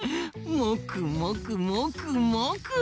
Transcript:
もくもくもくもく！